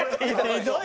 ひどい。